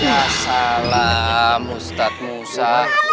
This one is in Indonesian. ya salam ustadz musa